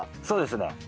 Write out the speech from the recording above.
そうですね。